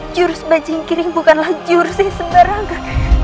jurus bajing kering bukanlah jurus yang sebenarnya